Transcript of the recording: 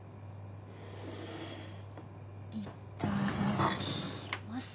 いただきます。